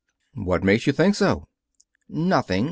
"What makes you think so?" "Nothing.